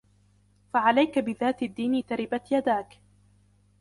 فَعَلَيْك بِذَاتِ الدِّينِ تَرِبَتْ يَدَاك